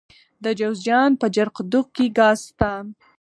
د جوزجان په جرقدوق کې ګاز شته.